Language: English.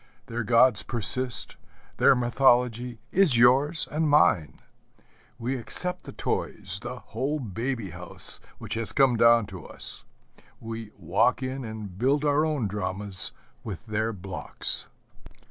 Their gods persist, their mythology is yours and mine. We accept the toys, the whole baby house which has come down to us: we walk in and build our own dramas with their blocks.